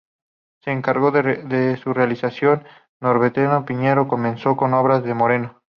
Se encargó su realización a Norberto Piñero, comenzando con obras de Moreno.